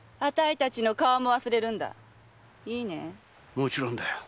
もちろんだよ。